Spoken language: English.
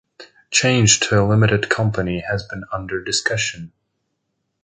Change to a limited company has been under discussion.